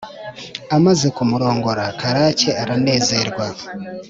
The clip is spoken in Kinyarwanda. amaze kumurongora, Karake aranezerwa